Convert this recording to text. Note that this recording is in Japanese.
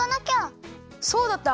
そうだった。